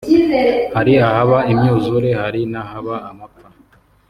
hari ahaba imyuzure hari n’ahaba amapfa